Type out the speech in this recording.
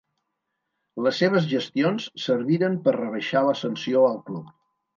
Les seves gestions serviren per rebaixar la sanció al club.